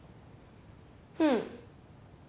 うん。